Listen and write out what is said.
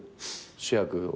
主役を？